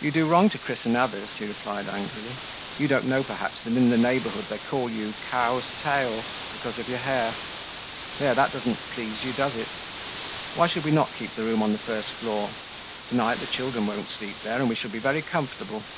"You do wrong to christen others," he replied angrily. "You don't know perhaps, that in the neighborhood they call you Cow's Tail, because of your hair. There, that doesn't please you, does it? Why should we not keep the room on the first floor? To night the children won't sleep there, and we shall be very comfortable."